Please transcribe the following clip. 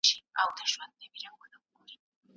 زده کوونکي د روغتیا په اړه معلومات شریکوي.